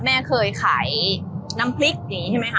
แม่เคยขายน้ำพริกอย่างนี้ใช่ไหมคะ